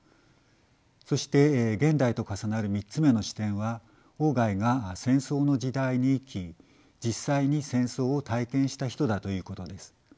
そして現代と重なる３つ目の視点は外が戦争の時代に生き実際に戦争を体験した人だということです。